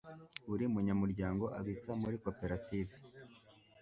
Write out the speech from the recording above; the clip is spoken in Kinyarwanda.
buri munyamuryango abitsa muri koperative